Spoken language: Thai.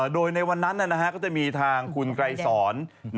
โดยในวันนั้นก็จะมีทางคุณไกรสอน